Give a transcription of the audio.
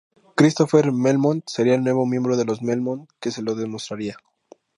Christopher Belmont sería el nuevo miembro de los Belmont que se lo demostraría.